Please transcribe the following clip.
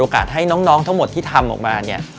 ให้น้องทั้งหมดที่ทำออกมาเนี่ย